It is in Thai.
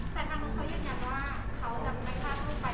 แต่ทางนู้นเขายืนยันว่าเขาจะไม่ฆ่าลูกไป